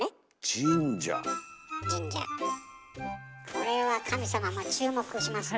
これは神様も注目しますね。